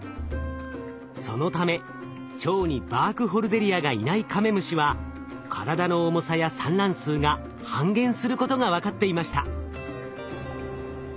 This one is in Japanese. そのため腸にバークホルデリアがいないカメムシは体の重さや産卵数が半減することが分かっていました。